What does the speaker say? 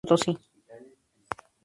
Regional Santa Cruz y Potosí.